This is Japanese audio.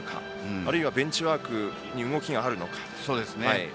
あるいはベンチワークに動きがあるのか。